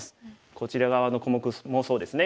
こちら側の小目もそうですね。